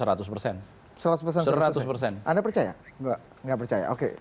anda percaya nggak percaya oke